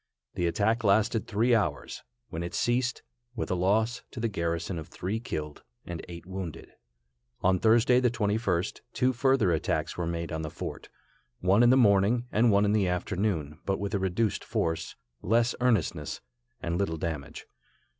The attack lasted three hours, when it ceased, with a loss to the garrison of three killed and eight wounded. On Thursday, the 21st, two further attacks were made on the fort, one in the morning and one in the afternoon, but with a reduced force, less earnestness, and little damage.